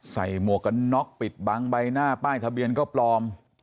หมวกกันน็อกปิดบังใบหน้าป้ายทะเบียนก็ปลอม